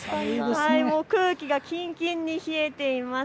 空気がきんきんに冷えています。